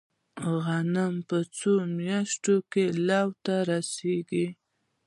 غنم په څو میاشتو کې لو ته رسیږي؟